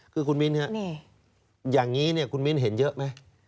คือคุณมิ้นครับอย่างนี้เนี่ยคุณมิ้นเห็นเยอะไหม